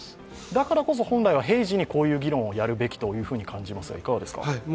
だからこそ、本来は平時にこういう議論をやるべきと感じますが。